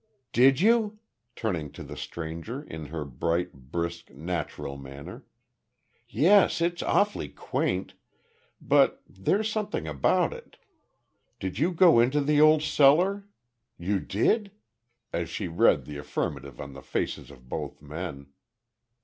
"Did you?" turning to the stranger, in her bright, brisk, natural manner. "Yes, it's awfully quaint but there's a something about it. Did you go into the old cellar? You did?" as she read the affirmative on the faces of both men.